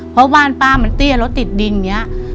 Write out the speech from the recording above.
เพราะบ้านป้ามันเตี้ยแล้วติดดินเนี่ย